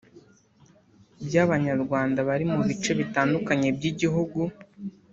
by’Abanyarwanda bari mu bice bitandukanye by’igihugu